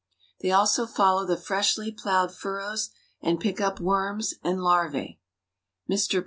They also follow the freshly plowed furrows and pick up worms and larvæ. Mr.